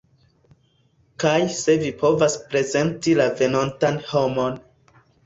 Kaj se vi povas prezenti la venontan homon